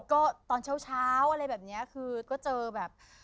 ก็ตอนเช้าอะไรแบบนี้คือก็เจอแบบ